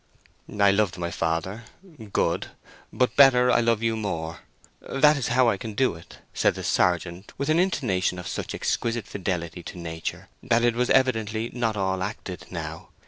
"I loved my father: good; but better, I love you more. That's how I can do it," said the sergeant, with an intonation of such exquisite fidelity to nature that it was evidently not all acted now.